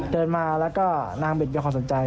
เดินมาแล้วก็นางบีดไม่ขอดนใจ